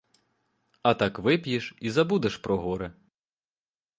А так вип'єш і забудеш про горе.